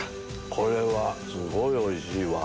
これはすごいおいしいわ。